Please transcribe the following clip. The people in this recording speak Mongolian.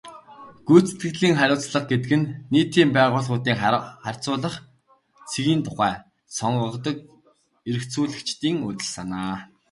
Гүйцэтгэлийн хариуцлага гэдэг нь нийтийн байгууллагуудын харьцуулах цэгийн тухай сонгодог эргэцүүлэгчдийн үзэл санаа.